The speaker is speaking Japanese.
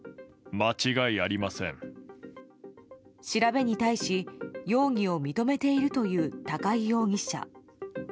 調べに対し容疑を認めているという高井容疑者。